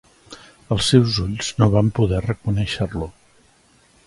Els seus ulls no van poder reconèixer-lo.